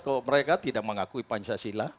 kalau mereka tidak mengakui pancasila